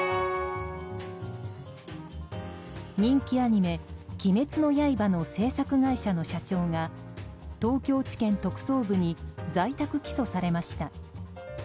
人気アニメ「鬼滅の刃」の制作会社の社長が東京地検特捜部に在宅起訴されました。